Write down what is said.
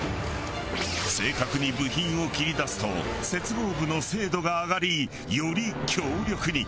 正確に部品を切り出すと接合部の精度が上がりより強力に。